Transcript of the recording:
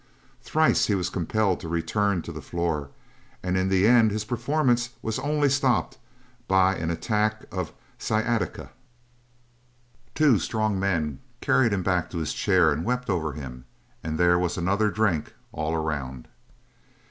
Thrice he was compelled to return to the floor; and in the end his performance was only stopped by an attack of sciatica. Two strong men carried him back to his chair and wept over him, and there was another drink all around.